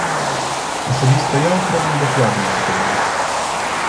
Асабіста я ў краму дакладна не пайду.